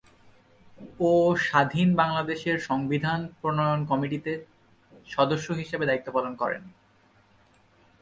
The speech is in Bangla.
ও স্বাধীন বাংলাদেশের সংবিধান প্রণয়ন কমিটিতে সদস্য হিসাবে দায়িত্ব পালন করেন।।